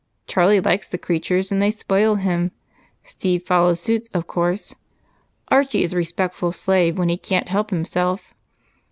Charlie likes the creatures, and they spoil him. Steve follows suit, of course. Archie is a respectful slave when he can't help himself.